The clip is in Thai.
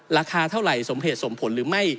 ราคาเท่าไหร่สมเหตุสมผลหรือไม่